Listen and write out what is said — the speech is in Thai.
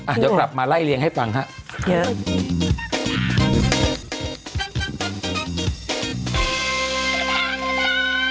อ่ะเดี๋ยวกลับมาไล่เลียงให้ฟังค่ะเยอะค่ะโอ้โฮโอฮโอ้โฮ